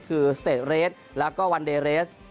คือสเตจเรสแล้วก็วันเดเรส